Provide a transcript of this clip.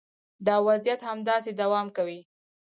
دا وضعیت همداسې دوام کوي.